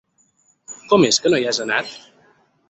Com és que no hi has anat?